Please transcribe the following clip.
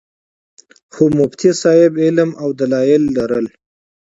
خو مفتي صېب علم او دلائل لرل